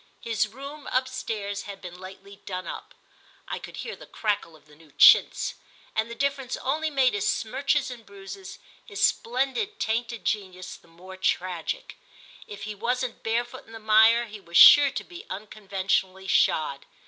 His room, upstairs, had been lately done up (I could hear the crackle of the new chintz) and the difference only made his smirches and bruises, his splendid tainted genius, the more tragic. If he wasn't barefoot in the mire he was sure to be unconventionally shod.